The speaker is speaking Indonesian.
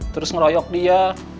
terus ngeroyok dia